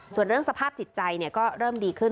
ส่วนเรื่องสภาพจิตใจก็เริ่มดีขึ้น